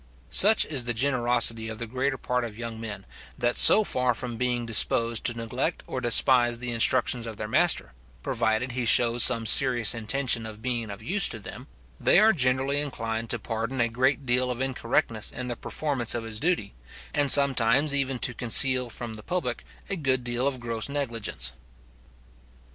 Such is the generosity of the greater part of young men, that so far from being disposed to neglect or despise the instructions of their master, provided he shews some serious intention of being of use to them, they are generally inclined to pardon a great deal of incorrectness in the performance of his duty, and sometimes even to conceal from the public a good deal of gross negligence.